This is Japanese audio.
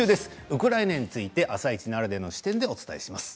ウクライナについて「あさイチ」ならではの視点で、お伝えします。